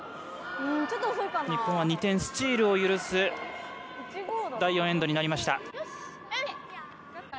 日本は２点スチールを許す第４エンドになりました。